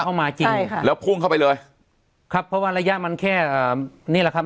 เข้ามาจริงใช่ค่ะแล้วพุ่งเข้าไปเลยครับเพราะว่าระยะมันแค่นี่แหละครับ